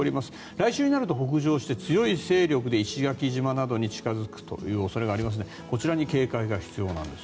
来週になると北上して強い勢力で石垣島などに近付くという恐れがありますのでこちらに警戒が必要なんです。